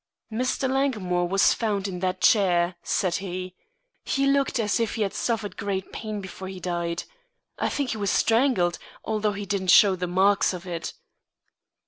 "Mr. Langmore was found in that chair," said he. "He looked as if he had suffered great pain before he died. I think he was strangled, although he didn't show the marks of it."